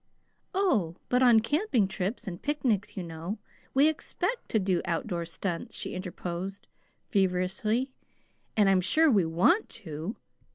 "Oh, but on camping trips and picnics, you know, we EXPECT to do outdoor stunts," she interposed feverishly; "and I'm sure we WANT to.